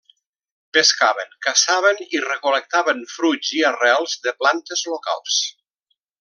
Pescaven, caçaven i recol·lectaven fruits i arrels de plantes locals.